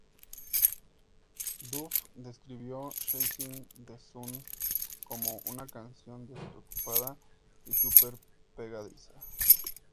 Duff describió Chasing the sun como: "una canción despreocupada y super pegadiza".